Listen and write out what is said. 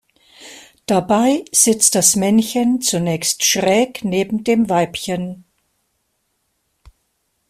Dabei sitzt das Männchen zunächst schräg neben dem Weibchen.